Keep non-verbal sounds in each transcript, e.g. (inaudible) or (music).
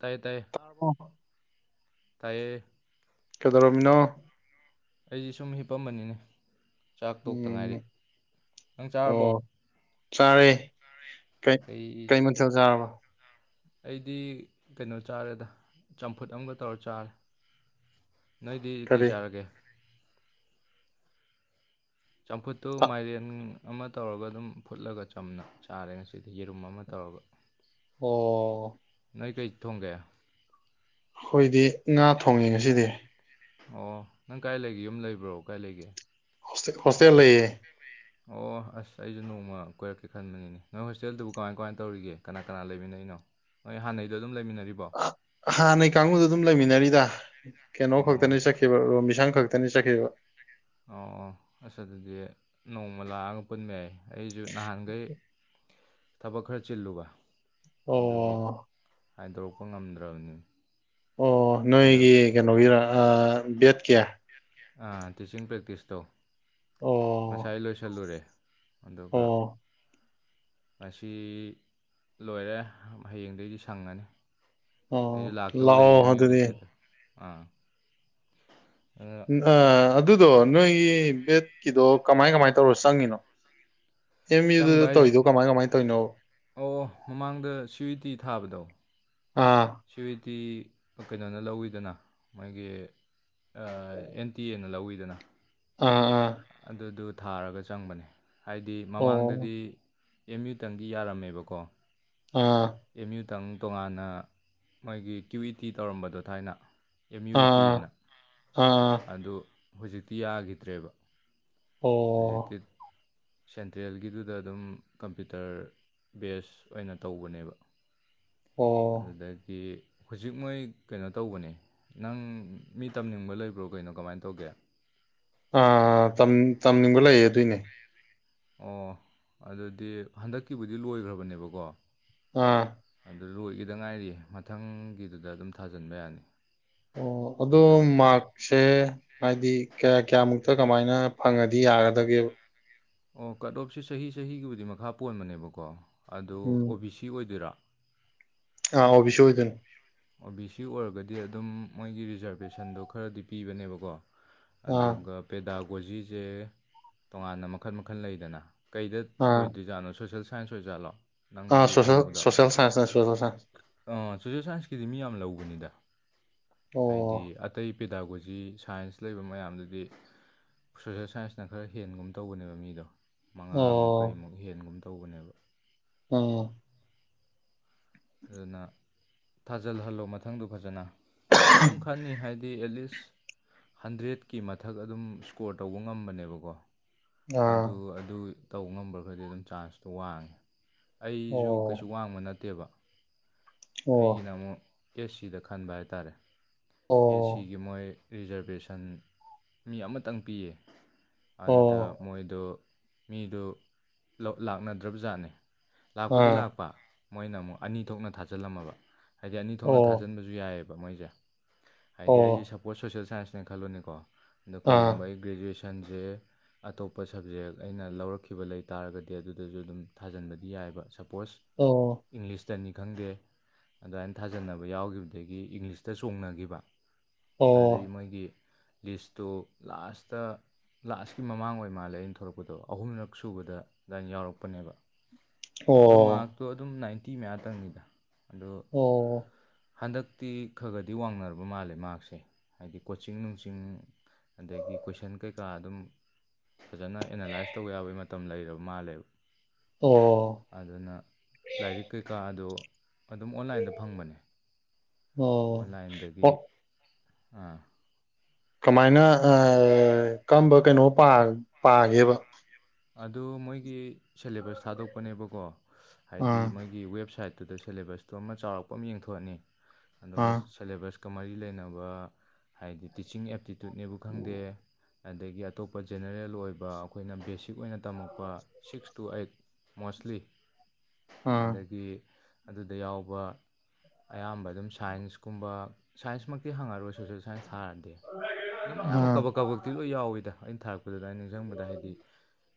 ꯇꯥꯏꯌꯦ ꯇꯥꯏꯌꯦ ꯇꯥꯔꯕꯣ ꯇꯥꯏꯌꯦ ꯀꯩꯗꯧꯔꯝꯃꯤꯅꯣ? ꯑꯩꯖꯤ ꯁꯨꯝ ꯍꯤꯞꯄꯝꯕꯅꯤꯅꯦ, ꯆꯥꯛ ꯇꯣꯛꯇ ꯉꯥꯏꯔꯤ꯫ ꯎꯝ ꯅꯪ ꯆꯥꯔꯕꯣ ꯑꯣ! ꯆꯥꯔꯦ, ꯀꯩ ꯃꯊꯦꯜ ꯆꯥꯔꯕ꯫ ꯑꯩꯗꯤ ꯀꯩꯅꯣ ꯆꯥꯔꯦꯗ ꯆꯝꯐꯨꯠ ꯑꯝꯒ ꯇꯧꯔ ꯆꯥꯔꯦ꯫ ꯅꯣꯏꯗꯤ ꯀꯩ ꯀꯔꯤ ꯆꯥꯔꯒꯦ? ꯆꯝꯐꯨꯠꯇꯨ ꯇ ꯃꯥꯏꯔꯦꯟ ꯑꯃ ꯇꯧꯔꯒ ꯑꯗꯨꯝ ꯐꯨꯠꯂꯒ ꯆꯝꯅ ꯆꯥꯔꯦ ꯉꯁꯤꯗꯤ ꯌꯦꯔꯨꯝ ꯑꯃ ꯇꯧꯔꯒ ꯑꯣ ꯅꯣꯏ ꯀꯩ ꯊꯣꯡꯒꯦ ꯑꯩꯈꯣꯏꯗꯤ ꯉꯥ ꯊꯣꯡꯉꯦ ꯉꯁꯤꯗꯤ꯫ ꯑꯣ ꯅꯪ ꯀꯥꯏ ꯂꯩꯒꯦ ꯌꯨꯝ ꯂꯩꯕ꯭ꯔꯣ ꯀꯥꯏ ꯂꯩꯒꯦ ꯍꯣꯁꯇꯦꯜ ꯍꯣꯁꯇꯦꯜ ꯂꯩꯌꯦ (unintelligible) ꯑꯣ ꯑꯁ ꯑꯩꯁꯨ ꯅꯣꯡꯃ ꯀꯣꯏꯔꯛꯀꯦ ꯈꯟꯕꯅꯤꯅꯦ ꯅꯣꯏ ꯍꯣꯁꯇꯦꯜꯗꯨꯕꯨ ꯀꯃꯥꯏ ꯀꯃꯥꯏꯅ ꯇꯧꯔꯤꯒꯦ ꯀꯅꯥ ꯀꯅꯥ ꯂꯩꯃꯤꯟꯅꯩꯅꯣ ꯍꯣꯏ ꯍꯥꯟꯅꯗꯣ ꯑꯗꯨꯝ ꯂꯩꯃꯤꯟꯅꯔꯤꯕꯣ ꯍꯥꯟꯅꯩ ꯀꯥꯡꯕꯨꯗꯣ ꯑꯗꯨꯝ ꯂꯩꯃꯤꯟꯅꯔꯤꯗ ꯀꯩꯅꯣ ꯑꯣ ꯈꯛꯇꯅꯤ ꯆꯠ (unintelligible) ꯔꯣꯝ ꯃꯤꯁꯥꯡ ꯈꯛꯇꯅꯤ ꯆꯠꯈꯤꯕ ꯑꯣ ꯑꯣ ꯑꯁ ꯑꯗꯨꯗꯤ ꯅꯣꯡꯃ ꯂꯥꯛꯑꯒ ꯄꯨꯟꯕ ꯌꯥꯏ ꯑꯩꯁꯨ ꯅꯍꯥꯟꯈꯩ ꯊꯕꯛ ꯈꯔ ꯆꯤꯜꯂꯨꯕ ꯑꯣ ꯑꯗꯨꯒꯤ ꯍꯥꯏꯗꯣꯔꯛꯄ ꯉꯝꯗ꯭ꯔꯕꯅꯤ ꯑꯣ ꯑꯗꯣ ꯅꯣꯏꯒꯤ ꯀꯩꯅꯣꯒꯤꯔ ꯕꯦꯠ ꯀꯤ ꯑ ꯇꯤꯆꯤꯡ ꯄ꯭ꯔꯦꯛꯇꯤꯁ ꯇꯣ ꯑꯣ ꯉꯁꯥꯏ ꯂꯣꯏꯁꯤꯜꯂꯨꯔꯦ ꯑꯗꯨꯒ ꯑꯣ ꯉꯁꯤ ꯂꯣꯏꯔꯦ ꯍꯌꯦꯡꯗꯗꯩꯗꯤ ꯁꯪꯉꯅꯤ꯫ ꯑꯩꯖꯨ ꯑꯣ ꯂꯥꯛꯇꯧ ꯂꯥꯛꯑꯣ ꯂꯩꯌꯦ ꯑꯦꯝ ꯌꯨꯗ ꯑꯗꯨꯗꯤ ꯀꯠ ꯑꯥ ꯑ ꯑꯗꯨꯗꯣ ꯅꯣꯏꯒꯤ ꯕꯦꯠꯀꯤꯗꯣ ꯀꯃꯥꯏ ꯀꯃꯥꯏꯅ ꯇꯧꯔ ꯆꯪꯉꯤꯅꯣ ꯑꯦꯝ ꯌꯨꯗꯨ ꯆꯪꯕ ꯍꯥꯏꯁꯦ ꯇꯧꯋꯤꯗꯣ ꯀꯃꯥꯏ ꯀꯃꯥꯏ ꯇꯧꯔꯤꯅꯣꯕ ꯑꯣ ꯃꯃꯥꯡꯗ ꯁ꯭ꯋꯤ ꯇꯤ ꯊꯥꯕꯗꯣ ꯑꯥ ꯁꯤꯚ ꯇꯤ ꯀꯩꯅꯣꯅ ꯂꯧꯋꯤꯗꯅ ꯃꯣꯏꯒꯤ ꯑ ꯑꯦꯟ ꯇꯤ ꯑꯦꯅ ꯂꯧꯋꯤꯗꯅ ꯑꯣ ꯑꯗꯨꯗꯨ ꯊꯥꯔꯒ ꯆꯪꯕꯅꯦ ꯍꯥꯏꯗꯤ ꯑꯣ ꯃꯃꯥꯡꯗꯗꯤ ꯑꯦꯝ ꯌꯨꯇꯪꯒꯤ ꯌꯥꯔꯝꯃꯦꯕꯀꯣ ꯑꯣ ꯑꯦꯝ ꯌꯨꯇꯪ ꯇꯣꯉꯥꯟꯅ ꯃꯣꯏꯒꯤ ꯀ꯭ꯌꯨ ꯏ ꯇꯤ ꯇꯧꯔꯝꯕꯗꯣ ꯊꯥꯏꯅ ꯑꯦꯝ ꯌꯨ ꯏ ꯇꯤ ꯑꯥ ꯑꯅ ꯑꯥ ꯑꯗꯨ ꯍꯧꯖꯤꯛꯇꯤ ꯌꯥꯈꯤꯗ꯭ꯔꯦꯕ ꯍꯧꯖꯤꯛꯇꯤ ꯑꯣ ꯁꯦꯟꯇ꯭ꯔꯦꯜꯒꯤꯗꯨꯗ ꯑꯗꯨꯝ ꯀꯝꯄ꯭ꯌꯨꯇꯔ ꯕꯦꯁ ꯑꯣꯏꯅ ꯇꯧꯕꯅꯦꯕ ꯑꯣ ꯑꯗꯨꯗꯒꯤ ꯍꯧꯖꯤꯛ ꯃꯣꯏ ꯀꯩꯅꯣ ꯇꯧꯕꯅꯦ ꯅꯪ ꯃꯤ ꯇꯝꯅꯤꯡꯕ ꯂꯩꯕ꯭ꯔꯣ ꯀꯩꯅꯣ ꯀꯃꯥꯏ ꯇꯧꯒꯦ꯫ ꯑꯥ ꯇꯝꯅꯤꯡꯕ ꯂꯩꯌꯦ ꯑꯗꯨꯏꯅꯦ ꯑꯣ ꯑꯗꯨꯗꯤ ꯍꯟꯗꯛꯀꯤꯕꯨꯗꯤ ꯂꯣꯏꯈ꯭ꯔꯕꯅꯦꯕꯀꯣ ꯑꯥ ꯑꯗꯨ ꯂꯣꯏꯒꯤꯗ ꯉꯥꯏꯔꯤ ꯃꯊꯪꯒꯤꯗꯨꯗ ꯑꯗꯨꯝ ꯊꯥꯖꯤꯟꯕ ꯌꯥꯅꯤ ꯑꯣ ꯑꯗꯨꯗꯣ ꯑꯗꯣ ꯃꯥ ꯁꯦ ꯍꯥꯏꯗꯤ ꯀꯌꯥ ꯀꯌꯥꯃꯨꯛꯇ ꯀꯃꯥꯏꯅ ꯐꯪꯉꯗꯤ ꯌꯥꯒꯗꯒꯦꯕ ꯑꯣ ꯀꯠ ꯑꯣꯞꯁꯦ ꯆꯍꯤ ꯆꯍꯤꯒꯤꯕꯨꯗꯤ ꯃꯈꯥ ꯄꯣꯟꯕꯅꯦꯕꯀꯣ ꯑꯗꯣ ꯑꯣ ꯎꯝ ꯕꯤ ꯁꯤ ꯑꯣꯏꯗꯣꯏꯔꯥ ꯑꯥ ꯑꯣ ꯕꯤ ꯁꯤ ꯑꯣꯏꯗꯣꯢꯅꯤ ꯑꯣ ꯕꯤ ꯁꯤ ꯑꯣꯏꯔꯒꯗꯤ ꯑꯗꯨꯝ ꯃꯣꯏꯒꯤ ꯔꯤꯖꯥꯔꯕꯦꯁꯟꯗꯣ ꯈꯔꯗꯤ ꯄꯤꯕꯅꯦꯕꯀꯣ ꯑꯥ ꯑꯗꯨꯒ ꯄꯦꯗꯥꯒꯣꯖꯤꯁꯦ ꯇꯣꯉꯥꯟꯅ ꯃꯈꯜ ꯃꯈꯜ ꯂꯩꯗꯅ ꯀꯩꯗ ꯑꯥ ꯑꯣꯏꯗꯣꯏꯔꯤꯖꯥꯠꯅꯣ ꯁꯣꯁꯦꯜ ꯁꯥꯏꯟꯁ ꯑꯣꯏꯖꯥꯠꯂꯣ ꯑ ꯅꯪꯒꯤ ꯁꯣ ꯈꯪꯅꯕꯗꯣ ꯁꯣꯌꯦ ꯁꯟꯁ ꯁꯣꯦꯜ ꯁꯥꯏꯁ ꯁꯣꯁꯦꯜ ꯁꯥꯏꯟꯁꯀꯤꯗꯤ ꯃꯤ ꯌꯥꯝ ꯂꯧꯕꯅꯤꯗ ꯍꯥꯏꯗꯤ ꯑꯣ ꯑꯇꯩ ꯄꯦꯗꯥꯒꯣꯖꯤ ꯁꯥꯏꯟꯁ ꯂꯩꯕ ꯃꯌꯥꯝꯗꯨꯗꯤ ꯁꯣꯁꯦꯜ ꯁꯥꯏꯟꯁꯅ ꯈꯔ ꯍꯦꯟꯒꯨꯝ ꯇꯧꯕꯅꯦꯕ ꯃꯤꯗꯣ ꯃꯉꯥꯃꯨꯛ ꯑꯣ ꯀꯩꯃꯨꯛ ꯍꯦꯟꯒꯨꯝ ꯇꯧꯕꯅꯦꯕ ꯑꯣ ꯑꯗꯨꯅ ꯊꯥꯖꯜꯍꯜꯂꯣ ꯃꯊꯪꯗꯣ ꯐꯖꯅ ꯑꯗꯨꯝ ꯈꯪꯅꯤ ꯍꯥꯏꯕꯗꯤ ꯑꯦꯠꯂꯤꯁ ꯍꯟꯗ꯭ꯔꯦꯠꯀꯤ ꯃꯊꯛ ꯑꯗꯨꯝ ꯁ꯭ꯀꯣꯔ ꯇꯧꯕ ꯉꯝꯕꯅꯦꯕꯀꯣ ꯑꯥ ꯑꯗꯨ ꯑꯗꯨ ꯇꯧ ꯉꯝꯕ ꯈꯩꯗꯤ ꯑꯗꯨꯝ ꯆꯥꯟꯁꯇꯣ ꯋꯥꯡꯉꯦ ꯑꯩꯁꯨ ꯀꯩꯁꯨ ꯑꯣ ꯋꯥꯡꯕ ꯅꯠꯇꯦꯕ ꯑꯣ ꯑꯩꯒꯤꯅ ꯑꯃꯨꯛ ꯑꯦꯁ ꯁꯤꯗ ꯈꯟꯕ ꯍꯥꯏꯇꯥꯔꯦ ꯑꯦꯁ ꯑꯣ ꯁꯤꯒꯤ ꯃꯣꯏ ꯔꯤꯖꯔꯕꯦꯁꯟ ꯃꯤ ꯑꯃꯇꯪ ꯄꯤꯌꯦ ꯑꯗꯨꯗ ꯑꯣ ꯃꯣꯏꯗ ꯃꯤꯗꯨ ꯂꯥꯛꯅꯗ꯭ꯔꯕꯖꯥꯠꯅꯤ ꯂꯥꯛꯄꯨꯗꯤ ꯑꯥ ꯂꯥꯛꯄ ꯃꯣꯏꯅ ꯑꯃꯨꯛ ꯑꯅꯤ ꯊꯣꯛꯅ ꯊꯥꯖꯤꯜꯂꯝꯃꯕ ꯍꯥꯏꯗꯤ ꯑꯅꯤ ꯊꯣꯛꯅ ꯑꯣ ꯊꯥꯖꯟꯕ ꯁꯨ ꯌꯥꯏꯑꯕ ꯃꯣꯏꯁꯦ ꯍꯥꯏꯗꯤ ꯑꯩꯁꯦ ꯁꯄꯣꯁ ꯁꯣꯁꯦꯜ ꯁꯥꯏꯟꯁꯅꯦꯅ ꯈꯜꯂꯨꯅꯤꯀꯣ ꯑꯗꯣ ꯀꯔꯤꯒꯨꯝꯕ ꯑꯩ ꯒ꯭ꯔꯦꯖꯨꯌꯦꯁꯟ ꯁꯦ ꯑꯇꯣꯞꯄ ꯁꯕꯖꯦꯛ ꯑꯩꯅ ꯂꯧꯔꯛꯈꯤꯕ ꯂꯩ ꯇꯥꯔꯒꯗꯤ ꯑꯗꯨꯗꯁꯨ ꯑꯗꯨꯝ ꯊꯥꯖꯤꯟꯕꯗꯤ ꯌꯥꯏꯕ ꯁꯄꯣꯁ ꯑꯣ ꯏꯪꯂꯤꯁ ꯇꯅꯤ ꯈꯪꯗꯦ ꯑꯗꯨꯃꯥꯏꯅ ꯊꯥꯖꯅꯕ ꯌꯥꯎꯈꯤꯕꯗꯒꯤ ꯏꯪꯂꯤꯁꯇ ꯆꯣꯡꯅꯈꯤꯕ ꯑꯗꯨꯗꯒꯤ ꯑꯣ ꯃꯣꯏꯒꯤ ꯂꯤꯁꯇꯨ ꯂꯥꯁꯇ ꯂꯥꯁꯀꯤ ꯃꯃꯥꯡ ꯑꯣꯏ ꯃꯥꯜꯂꯦ ꯑꯩꯅ ꯊꯣꯂꯛꯄꯗꯣ ꯑꯍꯨꯝꯔꯛ ꯁꯨꯕꯗ ꯑꯗꯨꯃꯥꯏꯅ ꯌꯥꯎꯔꯛꯄꯅꯦꯕ ꯑꯗꯨ ꯑꯣ ꯃꯥꯔꯛꯇꯣ ꯑꯗꯨꯝ ꯅꯥꯏꯟꯇꯤ ꯃꯌꯥ ꯇꯪꯅꯤꯗ ꯑꯗꯣ ꯑꯣ ꯍꯟꯗꯛꯇꯤ ꯈꯒꯗꯤ ꯋꯥꯡꯅꯔꯕ ꯃꯥꯜꯂꯦ ꯃꯥꯛꯁꯦ ꯍꯥꯏꯗꯤ ꯀꯣꯆꯤꯡ ꯅꯨꯡꯆꯤꯡ ꯑꯗꯒꯤ ꯀꯣꯏꯁꯟ ꯀꯩꯀꯥ ꯑꯗꯨꯝ ꯐꯖꯅ ꯑꯦꯅꯥꯂꯥꯏꯁ ꯇꯧꯕ ꯌꯥꯕꯒꯤ ꯃꯇꯝ ꯂꯩꯔꯕ ꯃꯥꯜꯂꯦꯕ ꯑꯣ ꯑꯗꯨꯅ ꯂꯥꯏꯔꯤꯛ ꯀꯩꯀꯥꯗꯣ ꯑꯗꯨꯝ ꯑꯣꯟꯂꯥꯏꯟꯗ ꯐꯪꯕꯅꯦ ꯑꯣꯟꯂꯥꯏꯟꯗꯒꯤ ꯑꯣ ꯑꯥ ꯀꯃꯥꯏꯅ ꯀꯔꯝꯕ ꯀꯩꯅꯣ ꯄꯥꯒꯦꯕ ꯑꯗꯨ ꯃꯣꯏꯒꯤ ꯁꯦꯂꯦꯕꯁ ꯊꯥꯗꯣꯛꯄꯅꯦꯕꯀꯣ ꯍꯥꯏꯗꯤ ꯑꯥ ꯃꯣꯏꯒꯤ ꯋꯦꯕꯁꯥꯏꯠꯇꯨꯗ ꯁꯦꯂꯦꯕꯁꯇꯨ ꯑꯃ ꯆꯥꯎꯔꯛꯄ ꯑꯃ ꯌꯦꯡꯊꯣꯛꯑꯅꯤ ꯑꯗꯨꯒ ꯑꯥ ꯁꯦꯂꯦꯕꯁꯀ ꯃꯔꯤ ꯂꯩꯅꯕ ꯍꯥꯏꯗꯤ ꯇꯤꯆꯤꯡ ꯑꯦꯞꯇꯤꯇ꯭ꯌꯨꯠꯅꯦꯕꯨ ꯈꯪꯗꯦ ꯑꯗꯒꯤ ꯑꯇꯣꯞꯄ ꯖꯦꯅꯔꯦꯜ ꯑꯣꯏꯕ ꯑꯗꯨꯒ ꯑꯈꯣꯏꯅ ꯕꯦꯁꯤꯛ ꯑꯣꯏꯅ ꯇꯝꯃꯛꯄ ꯁꯤꯛꯁ ꯇꯨ ꯑꯩꯠ ꯃꯣꯁꯂꯤ ꯑꯥ ꯑꯗꯒꯤ ꯑꯗꯨꯗ ꯌꯥꯎꯕ ꯑꯌꯥꯝꯕ ꯑꯗꯨꯝ ꯁꯥꯏꯟꯁꯀꯨꯝꯕ ꯁꯥꯏꯟꯁꯃꯛꯇꯤ ꯍꯪꯉꯔꯣꯏ ꯁꯣꯁꯦꯜ ꯁꯥꯏꯟꯁ ꯊꯥꯔꯗꯤ ꯑꯗꯨꯝ ꯑꯌꯥꯝꯕ ꯑꯥ ꯀꯕꯛ ꯀꯕꯛꯇꯤ ꯂꯣꯏ ꯌꯥꯎꯋꯤꯗ ꯑꯩꯅ ꯊꯥꯔꯛꯄꯗꯨꯗ ꯑꯩꯅ ꯅꯤꯡꯁꯤꯡꯕꯗ ꯍꯥꯏꯗꯤ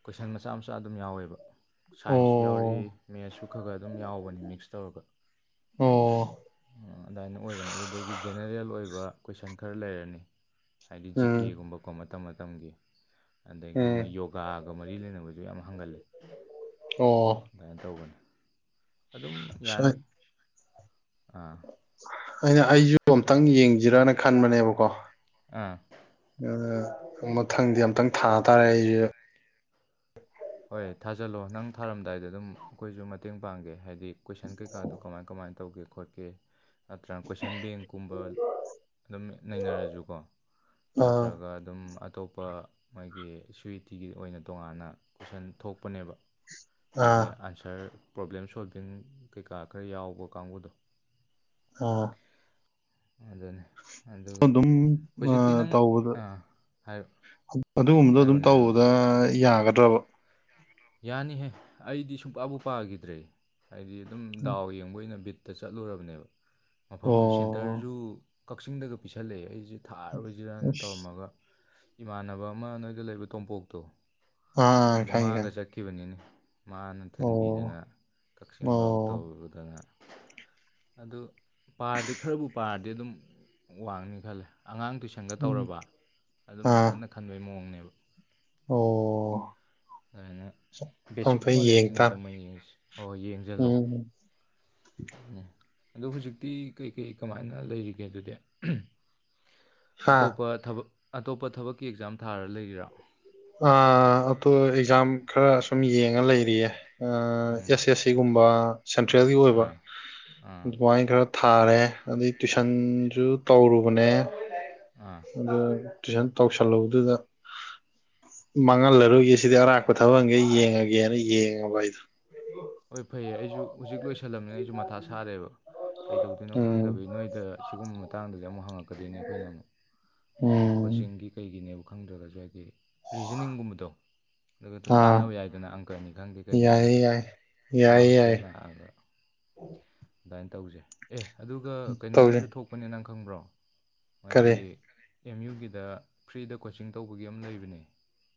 ꯀꯣꯏꯁꯟ ꯃꯆꯥ ꯃꯆꯥ ꯑꯗꯨꯝ ꯌꯥꯎꯋꯦꯕ ꯁꯥꯏꯟꯁꯁꯨ ꯌꯥꯎꯔꯤ ꯑꯣ ꯃꯦꯠꯁꯁꯨ ꯈꯔ ꯈꯔ ꯑꯗꯨꯝ ꯌꯥꯎꯕꯅꯦ ꯃꯤꯛꯁ ꯇꯧꯔꯒ ꯑꯣ ꯑꯗꯨꯃꯥꯏꯅ ꯑꯣꯏꯕꯅꯦ ꯑꯗꯨꯗꯒꯤ ꯖꯦꯅꯦꯔꯦꯜ ꯑꯣꯏꯕ ꯀꯣꯏꯁꯟ ꯈꯔ ꯂꯩꯔꯅꯤ ꯍꯥꯏꯗꯤ ꯖꯤ ꯎꯝ ꯀꯦꯒꯨꯝꯕꯀꯣ ꯃꯇꯝ ꯃꯇꯝꯒꯤ ꯒꯤ ꯃꯣꯏ ꯎꯝ ꯌꯣꯒꯥꯒꯤ ꯃꯔꯤ ꯂꯩꯅꯕꯁꯨ ꯌꯥꯝ ꯍꯪꯒꯜꯂꯦ ꯑꯣ ꯑꯗꯨꯃꯥꯏꯅ ꯇꯧꯕꯅꯤ ꯑꯗꯨꯝ ꯌꯥꯅꯤ ꯑꯥ ꯑꯩꯅ ꯑꯩꯖꯤꯕꯣ ꯑꯝꯇꯪ ꯌꯦꯡꯖꯤꯔꯅ ꯈꯟꯕꯅꯦꯕꯀꯣ꯫ ꯑꯥ ꯃꯊꯪꯗꯤ ꯑꯝꯇꯪ ꯊꯥꯇꯥꯥꯔꯦ ꯑꯩꯖꯦ ꯍꯣꯏ ꯊꯥꯖꯜꯂꯣ ꯅꯪ ꯊꯥꯔꯝꯗꯥꯏꯗ ꯑꯗꯨꯝ ꯑꯈꯣꯏꯁꯨ ꯃꯇꯦꯡ ꯄꯥꯡꯒꯦ ꯍꯥꯏꯗꯤ ꯍꯥꯏꯗꯤ ꯀꯣꯏꯁꯟ ꯀꯩꯀꯥꯗꯨꯣ ꯀꯃꯥꯏ ꯀꯃꯥꯏꯅ ꯇꯧꯒꯦ ꯈꯣꯠꯀꯦ ꯅꯠꯇ꯭ꯔꯒꯅ ꯀꯣꯏꯁꯟ ꯕꯦꯡꯀꯨꯝꯕ ꯑꯗꯨꯝ ꯅꯩꯅꯔꯁꯨꯀꯣ ꯑꯥ ꯅꯠꯇ꯭ꯔꯒ ꯑꯗꯨꯝ ꯑꯇꯣꯞꯄ ꯃꯣꯏꯒꯤ ꯁ꯭ꯋꯤꯇꯤꯒꯤ ꯑꯣꯏꯅ ꯇꯣꯉꯥꯟꯅ ꯀꯣꯏꯁꯟ ꯊꯣꯛꯄꯅꯦꯕ ꯑꯥ ꯍꯥꯏꯗꯤ ꯑꯟꯁꯔ ꯄ꯭ꯔꯣꯕ꯭ꯂꯦꯝ ꯁꯣꯜꯚꯤꯡ ꯀꯩꯀꯥ ꯈꯔ ꯌꯥꯎꯕ ꯀꯥꯡꯕꯨꯗꯣ ꯑꯣ ꯑꯗꯨꯅꯦ ꯑꯗꯨꯝ ꯇꯗ ꯑꯥ ꯍꯥꯏꯔꯣ ꯑꯗꯨꯒꯨꯝꯕꯗꯣ ꯑꯗꯨꯝ ꯍꯥꯏꯔꯣꯅꯦ ꯍꯥꯏꯔꯣꯅꯦ ꯇꯧꯕꯗ ꯌꯥꯒꯗ꯭ꯔꯕ ꯌꯥꯅꯤꯍꯦ ꯑꯩꯗꯤ ꯁꯨꯡꯄꯥꯕꯨ ꯄꯥꯈꯤꯗ꯭ꯔꯦ ꯍꯥꯏꯗꯤ ꯑꯗꯨꯝ ꯗꯥꯎ ꯌꯦꯡ ꯩꯅ ꯕꯤꯠꯇ ꯆꯠꯂꯨꯔꯕꯅꯦꯕ ꯃꯐꯝꯗꯨ ꯁꯦꯟꯇꯔꯁꯨ ꯀꯛꯆꯤꯡꯗꯒ ꯄꯤꯁꯜꯂꯛꯑꯦ ꯑꯩꯁꯦ ꯊꯥꯔꯣꯏꯖꯤꯔꯅ ꯇꯧꯔꯝꯃꯒ, ꯏꯃꯥꯟꯅꯕ ꯑꯃ ꯅꯣꯏꯗ ꯂꯩꯕ ꯇꯣꯝꯄꯣꯛꯇꯣ ꯑꯗꯨ ꯃꯥꯒ ꯆꯠꯈꯤꯕꯅꯤꯅꯦ ꯃꯥꯅ ꯊꯤꯟꯕꯤꯗꯅ ꯀꯛꯆꯤꯡ ꯕꯥꯎ ꯇꯧꯔꯨꯗꯅ ꯑꯗꯨ ꯄꯥꯔꯗꯤ ꯈꯔꯕꯨ ꯄꯥꯔꯗꯤ ꯑꯗꯨꯝ ꯋꯥꯡꯅꯤ ꯈꯜꯂꯦ ꯑꯉꯥꯡ ꯇꯨꯏꯁꯟꯒ ꯇꯧꯔꯕ ꯑꯗꯨꯝ ꯏꯈꯠꯅ ꯈꯟꯕꯩ ꯃꯑꯣꯡꯅꯦꯕ ꯑꯣ ꯑꯗꯨꯃꯥꯏꯅ ꯕꯦꯁꯤꯛ ꯅꯣꯂꯦꯖꯇꯨꯅꯤ ꯑꯗꯨꯝ ꯑꯩ ꯌꯦꯡ ꯍꯣꯏ ꯍꯣꯏ ꯌꯦꯡꯁꯤꯜꯂꯨ ꯎ ꯑꯗꯣ ꯍꯧꯖꯤꯛꯇꯤ ꯀꯩꯀꯩ ꯀꯃꯥꯏꯅ ꯂꯩꯔꯤꯒꯦ ꯑꯗꯨꯗꯤ ꯑꯇꯣꯞꯄ ꯊꯕꯛ ꯑꯇꯣꯞꯄ ꯊꯕꯛꯀꯤ ꯑꯦꯛꯖꯥꯝ ꯊꯥꯔ ꯂꯩꯔꯤꯔꯥ ꯑꯣ ꯑꯦꯛꯖꯥꯝ ꯈꯔ ꯁꯨꯝ ꯌꯦꯡꯉ ꯂꯩꯔꯤꯌꯦ ꯎꯝ ꯌꯦꯁ ꯌꯦꯁ ꯁꯤꯒꯨꯝꯕ ꯁꯦꯟꯇ꯭ꯔꯦꯜꯒꯤ ꯑꯣꯏꯕ ꯑꯥ ꯑꯥ ꯑꯗꯨꯃꯥꯏꯅ ꯈꯔ ꯊꯥꯔꯦ ꯑꯗꯩ ꯇꯨꯏꯁꯟꯁꯨ ꯇꯧꯔꯨꯕꯅꯦ ꯑꯥ ꯑꯗꯨ ꯇꯨꯏꯁꯟ ꯇꯧꯁꯜ ꯍꯧꯗꯨꯗ ꯃꯥꯡꯍꯜꯂꯔꯨꯒꯦ ꯁꯤꯗꯤ ꯑꯔꯥꯛꯞꯄ ꯊꯕꯛꯒꯦ ꯌꯦꯡꯉꯒꯦꯅ ꯌꯦꯡꯉꯕ ꯑꯩꯗꯣ ꯍꯣꯏ ꯐꯩꯌꯦ ꯑꯩꯁꯨ ꯍꯧꯖꯤꯛ ꯂꯣꯏꯁꯜꯂꯝꯕꯅꯤꯅ ꯑꯩꯁꯨ ꯃꯊꯥ ꯁꯥꯔꯦꯕ ꯀꯩꯗꯧꯗꯣꯏꯅꯣ ꯎꯝ, ꯈꯪꯗꯕꯩ ꯅꯣꯏꯗ ꯁꯤꯒꯨꯝꯕ ꯃꯇꯥꯡꯗꯗꯤ ꯑꯃꯨꯛ ꯍꯪꯉꯛꯀꯗꯣꯏꯅꯤ ꯑꯩꯈꯣꯏꯅ ꯑꯃꯨꯛ ꯍꯥꯏꯗꯤ ꯎꯝ, ꯀꯣꯆꯤꯡꯒꯤ ꯀꯩꯒꯤꯅꯦꯕ ꯈꯪꯗ꯭ꯔꯒꯁꯨ ꯍꯥꯏꯗꯤ ꯔꯤꯖꯅꯤꯡꯒꯨꯝꯕꯗꯣ ꯑꯗꯨꯒ ꯑꯗꯨꯝ ꯇꯥꯟꯅꯕ ꯌꯥꯏꯗꯅ ꯑꯪꯀꯅꯤ ꯈꯪꯗꯦ ꯀꯩꯅꯤ ꯈꯪꯗꯦ ꯌꯥꯏꯌꯦ ꯌꯥꯏ ꯅꯣꯏ ꯌꯥꯏꯌꯦ ꯍꯣꯁꯇꯦꯜ ꯌꯥꯏ ꯂꯥꯛꯑꯒ ꯑꯗꯨꯃꯥꯏꯅ ꯇꯧꯁꯩ ꯑꯦ ꯑꯗꯨꯒ ꯀꯩꯅꯣꯝꯃꯨ ꯇꯧꯁꯦ ꯊꯣꯛꯄꯅꯦ ꯅꯪ ꯈꯪꯕ꯭ꯔꯣ ꯀꯔꯤ ꯃꯥꯒꯤ ꯑꯦꯝ ꯌꯨꯒꯤꯗ ꯐ꯭ꯔꯤꯗ ꯀꯣꯆꯤꯡ ꯇꯧꯕꯒꯤ ꯑꯃ ꯂꯩꯕꯅꯦ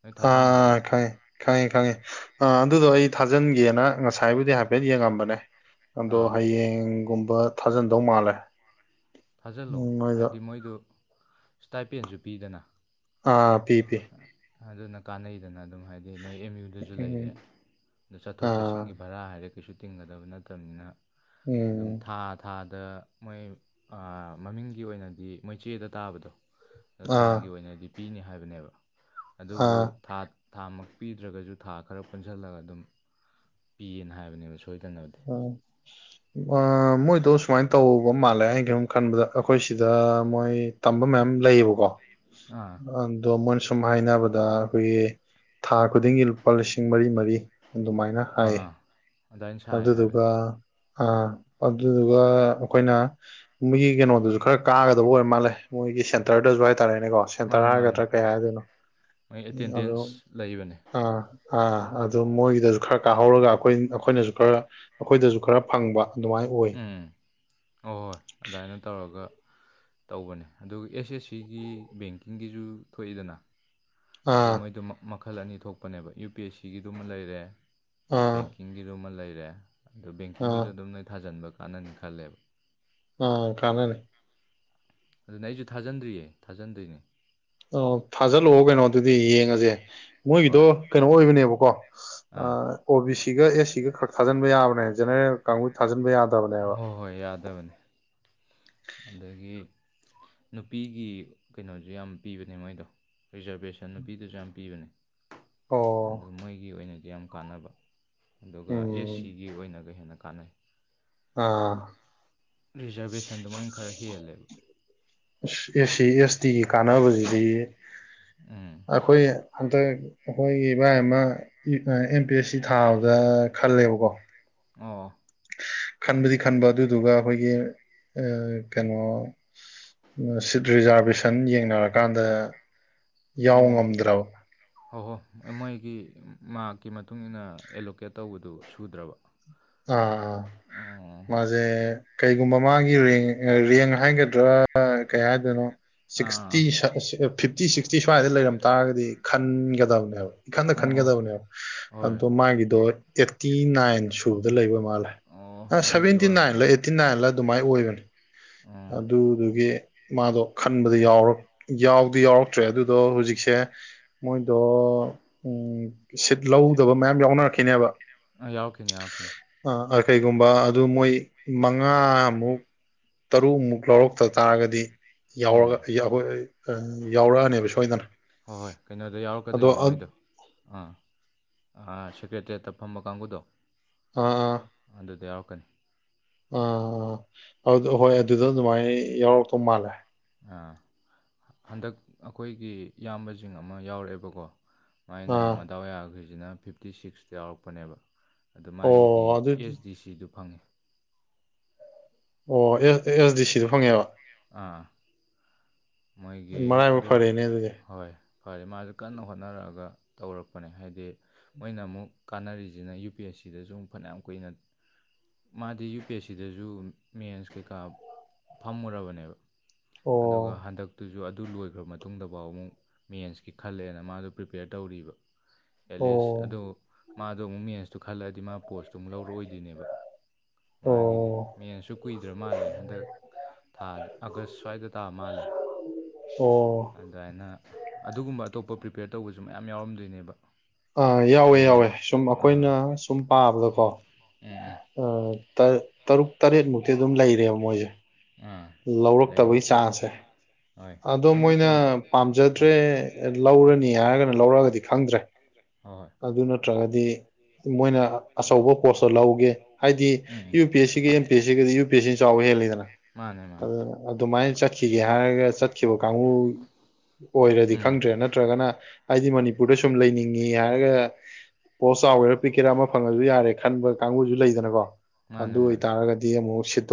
ꯅꯣꯏ ꯊꯥꯖꯟꯅꯗ꯭ꯔꯣ ꯑꯥ ꯈꯥꯏ ꯈꯪꯉꯤ ꯈꯪꯉꯤ ꯑ ꯑꯗꯨꯗꯣ ꯑꯩ ꯊꯥꯖꯤꯟꯒꯦꯅ ꯉꯁꯥꯏꯕꯨꯗꯤ ꯍꯥꯏꯐꯦꯠ ꯌꯦꯡꯉꯝꯕꯅꯦ ꯑꯗꯣ ꯑꯥ ꯍꯌꯦꯡꯒꯨꯝꯕ ꯊꯥꯖꯟꯗꯧ ꯃꯥꯜꯂꯦ ꯊꯥꯖꯤꯜꯂꯣ ꯎꯝ ꯅꯣꯏꯗꯣ ꯍꯥꯏꯗꯤ ꯃꯣꯏꯗꯨ ꯏꯁꯇꯥꯏꯄꯦꯟꯁꯨ ꯄꯤꯗꯅ ꯑ ꯑꯗꯨꯅ ꯀꯥꯟꯅꯩꯗꯅ ꯑꯗꯨꯝ ꯍꯥꯏ ꯑꯗꯩ ꯅꯣꯏ ꯑꯦꯝ ꯌꯨꯗꯁꯨ ꯂꯩꯔꯦ ꯎꯝ ꯑꯗꯣ ꯆꯠꯊꯣꯛ ꯑꯥ ꯆꯠꯁꯤꯟꯒꯤ ꯚꯔꯥ ꯍꯥꯏꯔꯦ ꯀꯩꯁꯨ ꯇꯤꯡꯒꯗꯕ ꯅꯠꯇꯕꯅꯤꯅ ꯑꯗꯨꯝ ꯎꯝ ꯊꯥ ꯊꯥꯗ ꯃꯣꯏ ꯃꯃꯤꯡꯒꯤ ꯑꯣꯏꯅꯗꯤ ꯃꯣꯏ ꯆꯦꯗ ꯇꯥꯕꯗꯣ ꯑꯗꯣ ꯊꯥꯒꯤ ꯑꯥ ꯑꯣꯏꯅꯗꯤ ꯄꯤꯅꯤ ꯍꯥꯏꯕꯅꯦꯕ ꯑꯗꯨꯕꯨ ꯑꯥ ꯊꯥ ꯊꯥ ꯃ ꯄꯤꯗ꯭ꯔꯒꯁꯨ ꯊꯥ ꯈꯔ ꯄꯨꯟꯁꯤꯜꯂꯒ ꯑꯗꯨꯝ ꯄꯤꯌꯦꯅ ꯍꯥꯏꯕꯅꯦꯕ ꯁꯣꯏꯗꯅꯕꯗꯤ ꯎ ꯃꯣꯏꯗꯣ ꯁꯨꯃꯥꯏꯅ ꯇꯧꯕ ꯃꯥꯜꯂꯦ ꯑꯩ ꯀꯨꯝ ꯈꯟꯕꯗ ꯑꯩꯈꯣꯏ ꯁꯤꯗ ꯃꯣꯏ ꯇꯝꯕ ꯃꯌꯥꯝ ꯂꯩꯌꯦꯕꯀꯣ ꯑꯥ ꯑꯗꯣ ꯃꯣꯏꯅ ꯁꯨꯝ ꯍꯥꯏꯅꯕꯗ ꯑꯩꯈꯣꯏꯒꯤ ꯊꯥ ꯈꯨꯗꯤꯡꯒꯤ ꯂꯨꯄꯥ ꯂꯤꯁꯤꯡ ꯃꯔꯤ ꯃꯔꯤ ꯑꯗꯨꯃꯥꯏꯅ ꯑꯥ ꯍꯥꯏꯌꯦ ꯑꯥ ꯑꯗꯨꯃꯥꯏꯅ ꯁꯥꯏ ꯍꯥꯏꯕꯅꯤ ꯑꯗꯗꯨꯒ ꯑꯥ ꯑꯗꯨꯗꯨꯒ ꯑꯩꯈꯣꯏꯅ ꯃꯣꯏꯒꯤ ꯀꯩꯅꯣꯗꯨꯁꯨ ꯈꯔ ꯀꯥꯒꯗꯕ ꯑꯣꯏꯔ ꯃꯥꯜꯂꯦ ꯃꯣꯏꯒꯤ ꯁꯦꯟꯇ꯭ꯔꯔ ꯆ ꯇꯔꯦꯅꯦꯀꯣ ꯁꯦꯟꯇꯔ ꯃꯥꯅꯦ ꯃꯥꯅꯦ ꯍꯥꯏꯒꯗ꯭ꯔꯥ ꯀꯩ ꯍꯥꯏꯗꯣꯏꯅꯣ ꯃꯣꯏ ꯑꯗꯣ ꯑꯦꯇꯦꯟꯗꯦꯟꯁ ꯂꯩꯕꯅꯦ ꯑꯥ ꯑ ꯑꯗꯨ ꯃꯣꯏꯒꯤꯗꯁꯨ ꯈꯔ ꯀꯥꯍꯧꯔꯒ ꯑꯩꯈꯣꯏ ꯑꯩꯈꯣꯏꯅꯁꯨ ꯈꯔ ꯑꯩꯈꯣꯏꯗꯁꯨ ꯈꯔ ꯐꯪꯕ ꯑꯗꯨꯃꯥꯏꯅ ꯑꯣꯏ ꯎꯝ ꯍꯣꯏ ꯍꯣꯏ ꯑꯗꯨꯃꯥꯏꯅ ꯇꯧꯔꯒ ꯇꯧꯕꯅꯦ ꯑꯗꯨꯒ ꯑꯦꯁ ꯑꯦꯁ ꯁꯤꯒꯤ ꯕꯦꯡꯀꯤꯡꯒꯤꯁꯨ ꯊꯣꯛꯏꯗꯅ ꯑꯗꯩ ꯑꯥ ꯃꯣꯏꯗꯨ ꯃꯈꯜ ꯑꯅꯤ ꯊꯣꯛꯄꯅꯦꯕ ꯌꯨ ꯄꯤ ꯑꯦꯁ ꯁꯤꯒꯤꯗꯨꯃ ꯂꯩꯔꯦ ꯕꯦꯡꯀꯤ ꯑꯥ ꯕꯦꯡꯀꯤꯡꯒꯤꯗꯨꯃ ꯂꯩꯔꯦ ꯑꯗꯨꯗꯣ ꯑꯥ ꯕꯦꯡꯀꯤꯡꯒꯤꯗꯣ ꯑꯗꯨꯝ ꯅꯣꯏ ꯊꯥꯖꯟꯕ ꯀꯥꯟꯅꯅꯤ ꯈꯜꯂꯦꯕ ꯑ ꯈꯥꯅꯅꯦ ꯑꯗꯨꯅꯦ ꯑꯩꯁꯨ ꯊꯥꯖꯟꯗ꯭ꯔꯤꯌꯦ ꯊꯥꯖꯟꯗ꯭ꯣꯏꯅꯦ ꯑ ꯊꯥꯖꯜꯂꯛꯑꯣ ꯀꯩꯅꯣ ꯑꯗꯨꯗꯤ ꯌꯦꯡꯉꯁꯦ ꯃꯣꯏꯒꯤꯗꯣ ꯍꯣꯏ ꯀꯩꯅꯣ ꯑꯣꯏꯕꯅꯦꯕꯀꯣ ꯑꯥ ꯑꯣ ꯕꯤ ꯁꯤꯒ ꯑꯦꯁ ꯁꯤꯒ ꯈꯛ ꯊꯥꯖꯤꯟꯕ ꯌꯥꯕꯅꯦ ꯖꯦꯅꯔꯦꯜ ꯀꯥꯡꯕꯨ ꯊꯥꯖꯤꯟꯕ ꯌꯥꯗ ꯍꯣꯏ ꯍꯣꯏ ꯌꯥꯗꯕꯅꯤ ꯑꯗꯒꯤ ꯅꯨꯄꯤꯒꯤ ꯀꯩꯅꯣꯁꯨ ꯌꯥꯝ ꯄꯤꯕꯅꯦ ꯃꯣꯏꯗꯣ ꯔꯤꯖꯔꯕꯦꯁꯟ ꯅꯨꯄꯤꯗꯨꯁꯨ ꯌꯥꯝ ꯄꯤꯕꯅꯦ ꯑꯗꯨ ꯑꯣ ꯃꯣꯏꯒꯤ ꯑꯣꯏꯅꯗꯤ ꯌꯥꯝ ꯀꯥꯟꯅꯕ ꯑꯗꯨꯒ ꯑꯦꯁ ꯎꯝ ꯁꯤꯒꯤ ꯑꯣꯏꯅꯒ ꯍꯦꯟꯅ ꯀꯥꯟꯅꯩ ꯑꯥ ꯔꯤꯖꯔꯕꯦꯁꯟ ꯑꯗꯨꯃꯣꯏꯅ ꯈꯔ ꯍꯍꯂꯦꯕ ꯑꯦ ꯁꯤ ꯑꯦꯁ ꯇꯤꯒꯤ ꯀꯥꯟꯅꯕꯁꯤꯗꯤ ꯎꯝ ꯑꯩꯈꯣꯏ ꯍꯟꯗꯛ ꯑꯩꯈꯣꯏꯒꯤ ꯏꯕꯥꯏ ꯑꯃ ꯑꯦꯝ ꯄꯤ ꯑꯦꯁ ꯁꯤ ꯊꯥꯕꯗ ꯈꯜꯂꯦꯕꯀꯣ ꯑꯣ ꯈꯟꯕꯗꯤ ꯈꯟꯕ ꯑꯗꯨꯗꯨꯒ ꯑꯩꯈꯣꯏꯒꯤ ꯑ ꯀꯩꯅꯣ ꯁꯤꯠ ꯔꯤꯖꯥꯔꯚꯦꯁꯟ ꯌꯦꯡꯅꯔꯀꯥꯟꯗ ꯌꯥꯎ ꯉꯝꯗ꯭ꯔꯕ ꯍꯣꯏ ꯍꯣꯏ ꯃꯣꯏꯒꯤ ꯃꯥꯔꯛꯀꯤ ꯃꯇꯨꯡ ꯏꯟꯅ ꯑꯦꯂꯣꯀꯦꯠ ꯇꯧꯕꯗꯨ ꯁꯨꯗ꯭ꯔꯕ ꯑ ꯑꯣ ꯃꯥꯁꯦ ꯀꯩꯒꯨꯝꯕ ꯃꯥꯒꯤꯦꯡ ꯔꯦꯡ ꯍꯥꯏꯒꯗ꯭ꯔꯥ ꯀꯩ ꯍꯥꯏꯗꯣꯏꯅꯣ ꯁꯤꯛꯁꯇꯤ ꯑꯥ ꯐꯤꯞꯇꯤ ꯁꯤꯛꯁꯇꯤ ꯁ꯭ꯋꯥꯏꯗ ꯂꯩꯔꯝ ꯇꯥꯔꯒꯗꯤ ꯈꯟꯒꯗꯕꯅꯦꯕ ꯏꯈꯟꯗ ꯑꯥ ꯑꯣ ꯑꯣ ꯈꯟꯒꯗꯕꯅꯦꯕ ꯍꯣꯏ ꯑꯗꯣ ꯃꯥꯒꯤꯗꯣ ꯑꯦꯠꯇꯤ ꯅꯥꯏꯟ ꯁꯨꯕꯗ ꯂꯩꯕ ꯜꯂꯦ ꯑꯣ ꯑꯗꯨꯒꯤ ꯁꯚꯦꯟꯇꯤ ꯑꯣꯏꯔꯝ ꯅꯥꯏꯟꯂ ꯑꯩꯠꯇꯤ ꯅꯥꯏꯟꯂ ꯑꯗꯨꯃꯥꯏꯅ ꯑꯣꯏꯕꯅꯤ ꯎꯝ ꯑꯗꯨꯗꯨꯒꯤ ꯃꯥꯗꯣ ꯈꯟꯕꯗ ꯌꯥꯎꯔ ꯌꯥꯎꯗꯤ ꯌꯥꯎꯔꯛꯇ꯭ꯔꯦ ꯑꯗꯨꯗꯣ ꯍꯧꯖꯤꯛꯁꯦ ꯃꯣꯏꯗꯣ ꯎ ꯁꯤꯠ ꯂꯧꯗꯕ ꯃꯌꯥꯝ ꯌꯥꯎꯅꯔꯛꯈꯤꯅꯦꯕ ꯑꯥ ꯌꯥꯎꯔꯛꯈꯤꯅꯤ ꯌꯥꯎꯔꯛꯈꯤꯅꯤ ꯑ ꯀꯩꯒꯨꯝꯕ ꯑꯗꯨ ꯃꯣꯏ ꯃꯉꯥꯃꯨꯛ ꯇꯔꯨꯛꯃꯨꯛ ꯂꯧꯔꯛꯇ ꯇꯥꯔꯒꯗꯤ ꯎꯝ ꯌꯥꯔꯒ ꯌꯥꯎꯔꯛꯑꯅꯦꯕ ꯁꯣꯏꯗꯅ ꯍꯣꯏ ꯍꯣꯏ ꯀꯩꯅꯣꯗ ꯑꯗꯣ ꯌꯥꯎꯔꯛꯀꯗꯣꯏꯅꯦ ꯃꯣꯏꯗꯣ ꯑꯥ ꯁꯦꯀ꯭ꯔꯦꯇꯔꯤꯌꯦꯠꯇ ꯐꯝꯕ ꯀꯥꯡꯕꯨꯗꯣ ꯑꯣ ꯑ ꯑꯗꯨꯗ ꯌꯥꯎꯔꯛꯀꯅꯤ ꯑꯥ ꯑꯗꯨ ꯍꯣꯏ ꯑꯗꯨꯗ ꯑꯗꯨꯃꯥꯏꯅ ꯌꯥꯎꯔꯛꯇꯧ ꯃꯥꯜꯂꯦ ꯑꯥ ꯍꯟꯗꯛ ꯑꯩꯈꯣꯏꯒꯤ ꯏꯌꯥꯝꯕꯁꯤꯡ ꯑꯃ ꯌꯥꯎꯔꯛꯑꯦꯕꯀꯣ ꯃꯥꯏꯅ ꯑꯥ ꯃꯗꯥꯎ ꯌꯥꯈ꯭ꯔꯤꯁꯤꯅ ꯐꯤꯞꯇꯤ ꯁꯤꯛꯁꯇ ꯌꯥꯎꯔꯛꯄꯅꯦꯕ ꯑꯗꯨꯃꯥꯏꯒꯤ ꯑꯣ ꯑꯗꯨ ꯑꯦꯁ ꯗꯤ ꯁꯤꯗꯨ ꯐꯪꯉꯦ ꯑꯣ ꯑꯦꯁ ꯗꯤ ꯁꯤꯗꯣ ꯐꯪꯉꯦꯕ ꯑꯥ ꯃꯣꯏꯒꯤ ꯃꯔꯥꯏꯕꯛ ꯑꯗꯨ ꯐꯔꯦꯅꯦ ꯑꯗꯨꯗꯤ ꯍꯣꯏ ꯐꯔꯦ ꯃꯥꯖꯨ ꯀꯟꯅ ꯍꯣꯠꯅꯔꯛ ꯑꯒ ꯇꯧꯔꯛꯄꯅꯦ ꯍꯥꯏꯗꯤ ꯃꯣꯏꯅ ꯑꯃꯨꯛ ꯀꯥꯟꯅꯔꯤꯁꯤꯅ ꯌꯨ ꯄꯤ ꯑꯦꯁ ꯁꯤꯗꯁꯨ ꯑꯃꯨꯛ ꯐꯅꯌꯥꯝ ꯀꯨꯏꯅ ꯃꯥꯗꯤ ꯌꯨ ꯄꯤ ꯑꯦꯁ ꯁꯤꯗꯁꯨ ꯃꯦꯟꯁ ꯀꯩꯀꯥ ꯐꯝꯃꯨꯔꯕꯅꯦꯕ ꯑꯣ ꯑꯗꯨꯒ ꯍꯟꯗꯛ ꯑꯗꯨꯁꯨ ꯑꯗꯨ ꯂꯣꯏꯈ꯭ꯔ ꯃꯇꯨꯡꯗꯐꯥꯎ ꯑꯃꯨꯛ ꯃꯦꯟꯁꯀꯤ ꯈꯜꯂꯦꯅ ꯃꯥꯗꯣ ꯄ꯭ꯔꯤꯄꯦꯌꯔ ꯇꯧꯔꯤꯕ ꯑꯣ ꯑꯦꯠꯂꯤꯁ ꯑꯗꯨ ꯃꯥꯗꯣ ꯑꯃꯨꯛ ꯃꯦꯟꯁꯇꯨ ꯈꯜꯂꯛꯑꯗꯤ ꯃꯥ ꯄꯣꯁꯇꯨ ꯑꯃꯨꯛ ꯂꯧꯔꯛꯑꯣꯏꯗꯣꯏꯅꯦꯕ ꯑꯣ ꯃꯥꯒꯤꯗꯤ ꯃꯤꯅꯁꯨ ꯀꯨꯏꯗ꯭ꯔ ꯃꯥꯜꯂꯦ ꯍꯟꯗꯛ ꯊꯥ ꯑꯥꯒꯁ ꯁ꯭ꯋꯥꯏꯗ ꯇꯥ ꯃꯥꯜꯂꯦ ꯑꯣ ꯑꯗꯥꯏꯅ ꯑꯗꯨꯒꯨꯝꯕ ꯑꯇꯣꯞꯄ ꯄ꯭ꯔꯤꯄꯦꯌꯔ ꯇꯧꯕꯁꯨ ꯃꯌꯥꯝ ꯌꯥꯎꯔꯝꯗꯣꯏꯅꯦꯕ ꯑ ꯌꯥꯎꯋꯦ ꯃꯦ ꯌꯥꯎꯋꯦ ꯁꯨꯝ ꯑꯈꯣꯏꯅ ꯑꯥ ꯁꯨꯝ ꯄꯥꯕꯗꯀꯣ ꯎꯝ ꯎꯝ ꯑ ꯇꯔꯨꯛ ꯇꯔꯦꯠ ꯃꯨꯛꯇꯤ ꯑꯗꯨꯝ ꯂꯩꯔꯦꯕ ꯃꯣꯏꯁꯦ ꯑꯥ ꯂꯩꯅꯤ ꯂꯧꯔꯛꯇꯕꯒꯤ ꯆꯥꯡꯁꯁꯦ ꯍꯣꯏ ꯑꯗꯣ ꯊꯥꯡꯉꯩ ꯃꯣꯏꯅ ꯁꯦꯡ ꯄꯥꯝꯖꯗ꯭ꯔꯦ ꯑꯥ ꯂꯧꯔꯅꯤ ꯍꯥꯏꯔꯒꯅ ꯂꯧꯔꯛꯑꯒꯗꯤ ꯈꯪꯗ꯭ꯔꯦ ꯍꯣꯏ ꯑꯗꯨ ꯅꯠꯇ꯭ꯔꯒꯗꯤ ꯃꯣꯏꯅ ꯑꯆꯧꯕ ꯄꯣꯁꯇ ꯂꯧꯒꯦ ꯍꯥꯏꯗꯤ ꯎꯝ ꯎꯝ ꯌꯨ ꯄꯤ ꯑꯦꯁ ꯁꯤꯒꯤ ꯄ ꯑꯦ ꯁꯤ ꯗꯤ ꯌꯨ ꯄꯤ ꯑꯦꯁꯤꯅ ꯆꯥꯎꯕ ꯍꯦꯜꯂꯤꯗꯅ ꯃꯥꯅꯦ ꯃꯥꯅꯦ ꯑꯗꯨꯅ ꯑꯗꯨꯃꯥꯏꯅ ꯆꯠꯈꯤꯒꯦ ꯍꯥꯏꯔꯒ ꯆꯠ ꯖꯤꯑꯣ ꯀꯥꯡꯕꯨ ꯑꯣꯏꯔꯗꯤ ꯎꯝ ꯈꯪꯗ꯭ꯔꯦ ꯅꯠꯇ꯭ꯔꯒꯅ ꯑꯩꯗꯤ ꯃꯅꯤꯄꯨꯔꯗ ꯁꯨꯝ ꯂꯩꯅꯤꯡ ꯐꯤꯡꯉꯤ ꯍꯥꯏꯔꯒ ꯄꯣꯁ ꯆꯥꯎꯒꯦꯔꯥ ꯄꯤꯛꯀꯦꯔꯥ ꯑꯃ ꯐꯪꯉꯖꯨ ꯌꯥꯔꯦ ꯈꯟꯕ ꯀꯥꯡꯕꯨꯁꯨ ꯂꯩꯗꯅꯀꯣ ꯃꯥꯅꯦ ꯑꯗꯨ ꯃꯥꯅꯦ ꯑꯣꯏꯇꯥꯔꯒꯗꯤ ꯑꯃꯨꯛ ꯁꯤꯠ